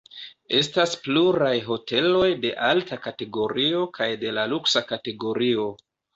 Estas pluraj hoteloj de alta kategorio kaj de la luksa kategorio.